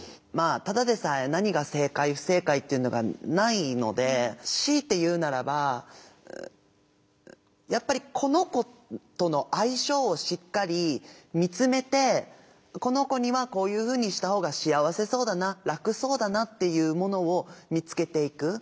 まあただでさえ何が正解不正解っていうのがないのでしいて言うならばやっぱりこの子との相性をしっかり見つめてこの子にはこういうふうにした方が幸せそうだな楽そうだなっていうものを見つけていく。